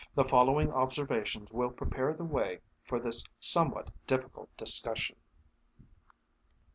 The following observations will prepare the way for this somewhat difficult discussion.